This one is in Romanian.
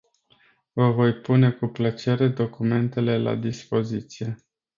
Vă voi pune cu plăcere documentele la dispoziție.